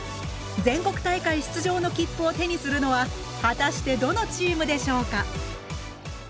全国大会出場の切符を手にするのは果たしてどのチームでしょうか。